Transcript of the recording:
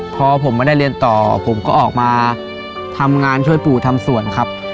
พอผมไม่ได้เรียนต่อผมก็ออกมาทำงานช่วยปู่ทำสวนครับ